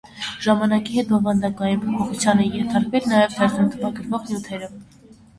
Ժամանակի հետ բովանդակային փոփոխության են ենթարկվել նաև թերթում տպագրվող նյութերը։